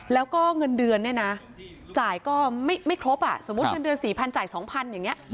แล้วก็เงินเดือนเนี่ยนะจ่ายก็ไม่ครบอ่ะสมมุติเงินเดือน๔๐๐จ่าย๒๐๐อย่างนี้